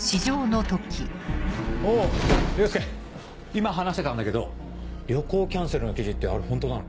今話してたんだけど旅行キャンセルの記事ってあれホントなの？